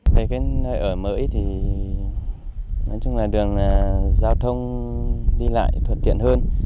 về cái nơi ở mới thì nói chung là đường giao thông đi lại thuận tiện hơn